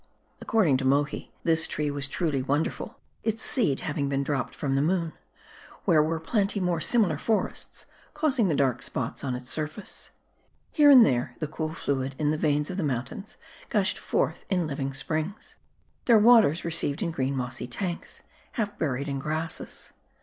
According to Mohi, this tree was truly wonderful ; its seed having been dropped from the moon ; where were 264 M A E D I. plenty more similar forests, causing the dark spots on its surface. Here and there, the cool fluid in the veins of the mount ains gushed forth in living springs ; their waters received in green mossy tanks, half buried in grasses.